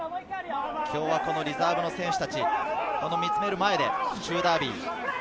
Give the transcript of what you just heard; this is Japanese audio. リザーブの選手たちが見つめる前で府中ダービー。